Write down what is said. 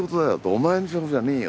お前の仕事じゃねえよって。